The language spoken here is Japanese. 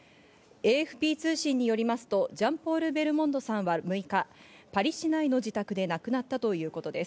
ＡＦＰ通信によりますとジャンポール・ベルモンドさんは６日、市内の自宅で亡くなったということです。